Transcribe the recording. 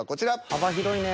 幅広いね。